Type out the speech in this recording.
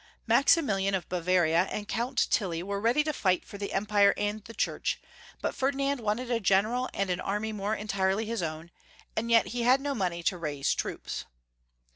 Maximilian of Bavaria and Count Tilly were ready to fight for the Empire and the Church, but Ferdinand wanted a general and an army more entirely liis own, and yet he had no money to raise troops.